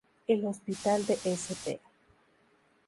El Hospital de St.